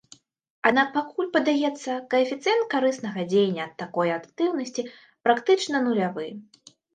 Аднак пакуль, падаецца, каэфіцыент карыснага дзеяння ад такой актыўнасці практычна нулявы.